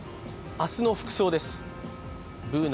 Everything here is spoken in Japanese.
明日の服装です。